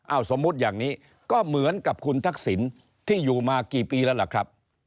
สมมุติอย่างนี้ก็เหมือนกับคุณทักษิณที่อยู่มากี่ปีแล้วล่ะครับ